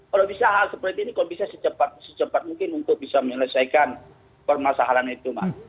kalau bisa hal seperti ini kok bisa secepat mungkin untuk bisa menyelesaikan permasalahan itu mbak